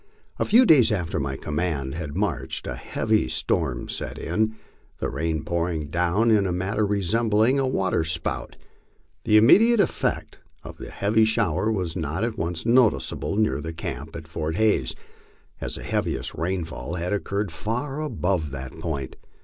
A few days after my command had marched, a heavy storm set in, the rain pouring down in a manner resembling a waterspout. The immediate effect of the heavy shower was not at once noticeable near the camp at Fort Hays, as the heaviest rainfall had occurred far above that point.